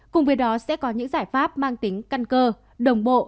cùng với đó sẽ có những giải pháp mang tính căn cơ đồng bộ